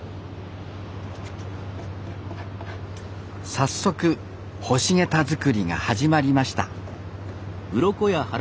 早速干しゲタ作りが始まりました